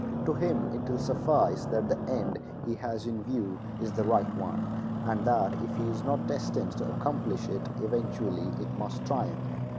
To him it will suffice that the end he has in view is the right one, and that if he is not destined to accomplish it eventually it must triumph.